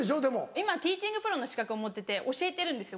今ティーチングプロの資格を持ってて教えてるんですよ